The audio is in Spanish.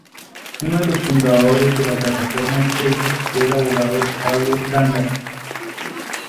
Uno de los fundadores de la plataforma en Facebook fue el abogado Fabio Gándara.